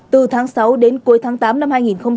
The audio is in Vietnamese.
từ tháng sáu đến cuối tháng tám năm hai nghìn một mươi chín